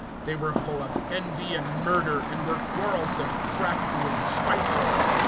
They were full of envy and murder, and were quarrelsome, crafty, and spiteful.